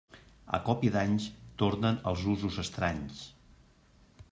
A còpia d'anys tornen els usos estranys.